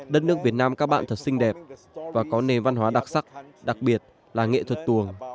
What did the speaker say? đất nước việt nam các bạn thật xinh đẹp và có nền văn hóa đặc sắc đặc biệt là nghệ thuật tuồng